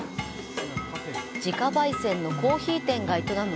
自家ばい煎のコーヒー店が営む